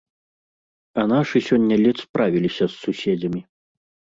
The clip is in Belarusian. А нашы сёння ледзь справіліся з суседзямі.